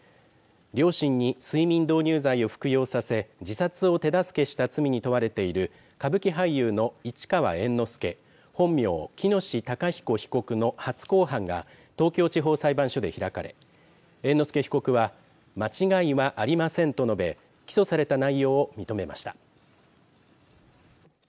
両親に睡眠導入剤を服用させ自殺を手助けした罪に問われている歌舞伎俳優の市川猿之助本名、喜熨斗孝彦被告の初公判が東京地方裁判所で開かれ猿之助被告は間違いはありませんと述べ起訴された内容を認めました。